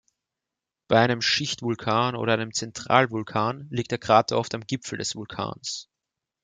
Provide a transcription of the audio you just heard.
Bei einem Schichtvulkan oder einem Zentralvulkan liegt der Krater oft am Gipfel des Vulkans.